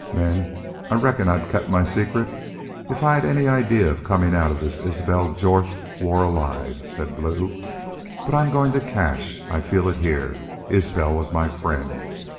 "Men, I reckon I'd kept my secret if I'd any idee of comin' out of this Isbel Jorth war alive," said Blue. "But I'm goin' to cash. I feel it heah.... Isbel was my friend.